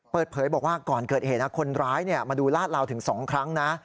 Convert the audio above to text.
เปิดเผยบอกว่าก่อนเกิดเหตุคนร้ายมาดูลาดลาวถึง๒ครั้งนะ